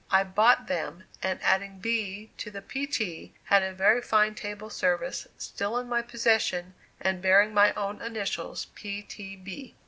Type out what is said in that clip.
I bought them, and adding "B." to the "P. T.," had a very fine table service, still in my possession, and bearing my own initials, "P. T. B."